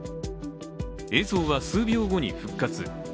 映像は数秒後に復活。